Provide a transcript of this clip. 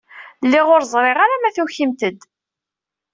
Lliɣ ur ẓriɣ ara ma tukimt-d.